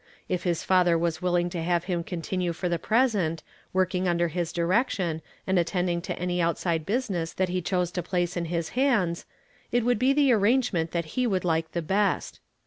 If his father Avas willing to have him contmue for the present, working under his direction, and attend ing to any outside business that he chose to place in liis hands, it would be the arrangement that he would like the best.